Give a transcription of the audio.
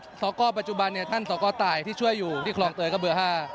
สกปัจจุบันท่านสกตายที่ช่วยอยู่ที่คลองเตยก็เบอร์๕